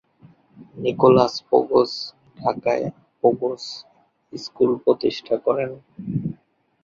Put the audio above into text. Nicolas Pogose ঢাকায় Pogose school প্রতিষ্ঠা করেন।